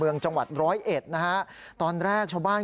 เออพอชาวบ้านเห็นแบบนี้นะ